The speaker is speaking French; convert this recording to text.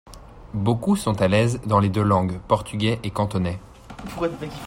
Beaucoup sont à l'aise dans les deux langues portugais et cantonais.